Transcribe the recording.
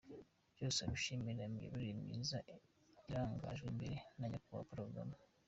Byose abishimira imiyoborere myiza irangajwe imbere na Nyakubahwa Paul Kagame.